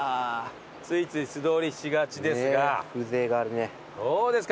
ついつい素通りしがちですがどうですか？